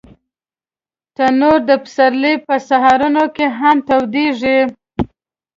تنور د پسرلي په سهارونو کې هم تودېږي